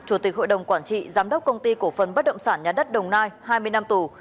chủ tịch hội đồng quản trị giám đốc công ty cổ phần bất động sản nhà đất đồng nai hai mươi năm tù